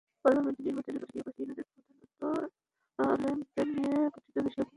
Parliament নির্বাচনের পাশাপাশি ইরানে প্রধানত আলেমদের নিয়ে গঠিত বিশেষজ্ঞ পরিষদের সদস্যদেরও নির্বাচন হচ্ছে।